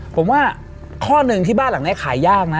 ผมว่าข้อหนึ่งที่บ้านหลังนี้ขายยากนะ